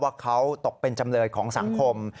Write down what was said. ว่าเขาตกเป็นจำเลยของสังคม